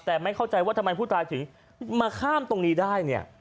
แต่ไม่เข้าใจว่าทำไมผู้ตายถึงมาข้ามตรงนี้ได้เนี่ย